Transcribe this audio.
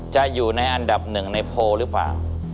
จะอยู่ในอันดับหนึ่งในโพลหรือเปล่า